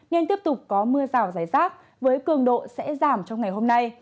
nên tiếp tục có mưa rào rải rác với cường độ sẽ giảm trong ngày hôm nay